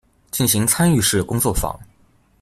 進行參與式工作坊